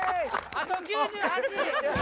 あと９８！